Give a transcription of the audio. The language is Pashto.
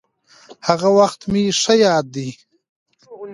هغه وخت مې ښه ياد دي.